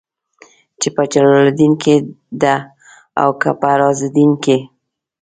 چې په جلال الدين کې ده او که په رازالدين کې.